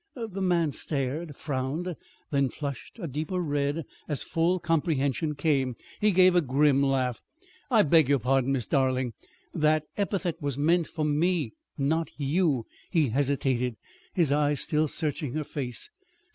The man stared, frowned, then flushed a deeper red as full comprehension came. He gave a grim laugh. "I beg your pardon, Miss Darling. That epithet was meant for me not you." He hesitated, his eyes still searching her face.